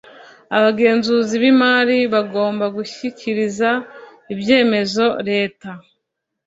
abagenzuzi b imari bagomba gushyikiriza ibyemezo leta